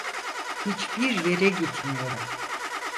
Hiç bir yere gitmiyorum.